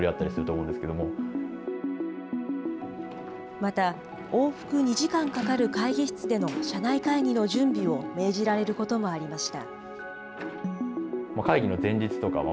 また、往復２時間かかる会議室での社内会議の準備を命じられることもありました。